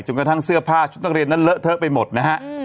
กระทั่งเสื้อผ้าชุดนักเรียนนั้นเลอะเทอะไปหมดนะฮะ